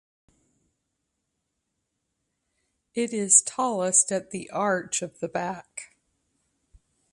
It is tallest at the arch of the back.